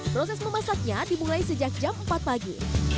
proses memasaknya dimulai sejak jam empat pagi